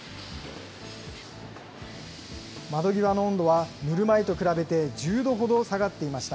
窓際の温度は塗る前と比べて１０度ほど下がっていました。